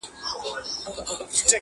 قرنطین دی لګېدلی د سرکار امر چلیږي!!